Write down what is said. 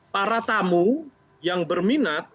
para tamu yang berminat